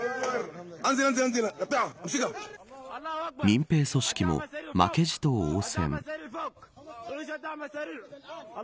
民兵組織も負けじと応戦。